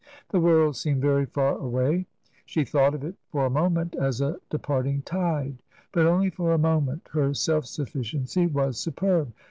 The world seemed very far away ; she thought of it for a moment as a departing tide. But only for a mo ment. Her self sufficiency was superb.